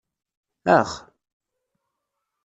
Ax!